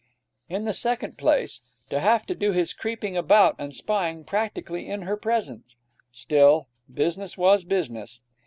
In the second place, to have to do his creeping about and spying practically in her presence Still, business was business.